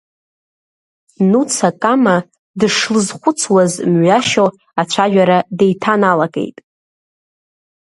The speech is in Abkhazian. Нуца Кама дышлызхәыцуаз мҩашьо ацәажәара деиҭаналагеит.